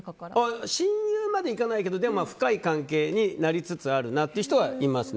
親友までいかないけどでも、深い関係になりつつあるなという人はいます。